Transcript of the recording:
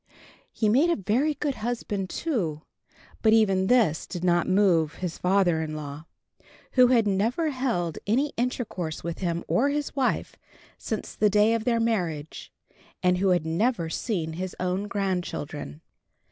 He made a very good husband too; but even this did not move his father in law, who had never held any intercourse with him or his wife since the day of their marriage, and who had never seen his own grand children.